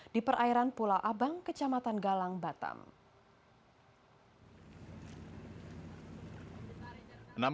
di perairan pulau abang kecamatan galang batam